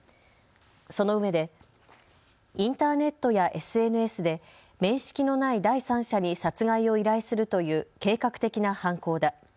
そのうえでインターネットやＳＮＳで面識のない第三者に殺害を依頼するという計画的な犯行だ。